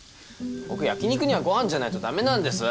僕焼き肉にはご飯じゃないと駄目なんです！